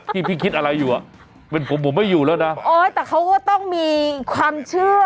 พี่พี่คิดอะไรอยู่อ่ะเป็นผมผมไม่อยู่แล้วนะโอ๊ยแต่เขาก็ต้องมีความเชื่อ